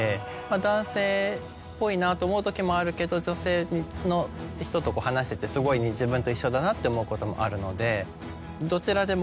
男性っぽいなと思う時もあるけど女性の人と話しててすごい自分と一緒だなって思うこともあるので。